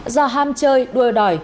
do ham chơi đua đòi